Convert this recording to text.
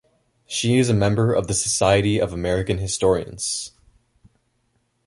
She is a member of the Society of American Historians.